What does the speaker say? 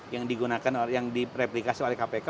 yang digunakan yang dipreplikasi oleh kpk